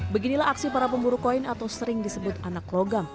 beginilah aksi para pemburu koin atau sering disebut anak logam